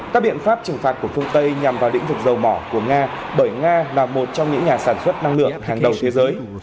các biện pháp trừng phạt của phương tây nhằm vào lĩnh vực dầu mỏ của nga bởi nga là một trong những nhà sản xuất năng lượng hàng đầu thế giới